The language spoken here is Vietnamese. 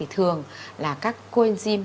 thường là các coenzyme